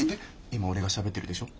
今俺がしゃべってるでしょ